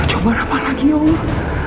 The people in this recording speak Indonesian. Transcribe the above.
coba rapat lagi ya allah